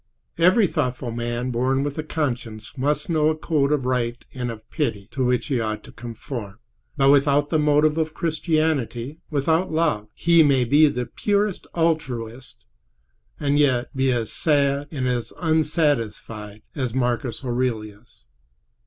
Every thoughtful man born with a conscience must know a code of right and of pity to which he ought to conform; but without the motive of Christianity, without love, he may be the purest altruist and yet be as sad and as unsatisfied as Marcus Aurelius.